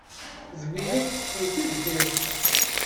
Zwina tessew tibḥirt.